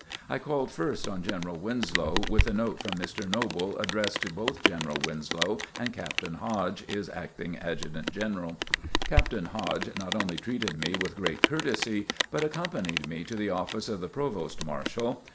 I called first on General Winslow, with a note from Mr. Noble addressed to both General Winslow and Captain Hodge, his Acting Adjutant General. Captain Hodge not only treated me with great courtesy, but accompanied me to the office of the Provost Marshal.